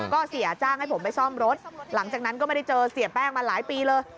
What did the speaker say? ก็เสียจ้างให้ผมไปซ่อมรถหลังจากนั้นก็ไม่ได้เจอเสียแป้งมาหลายปีเลย